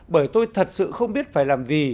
bởi tôi thật sự không biết phải làm gì